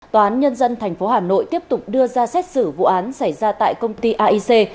tòa án nhân dân tp hà nội tiếp tục đưa ra xét xử vụ án xảy ra tại công ty aic